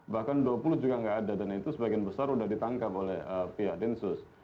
bahkan dua puluh juga nggak ada dan itu sebagian besar sudah ditangkap oleh pihak densus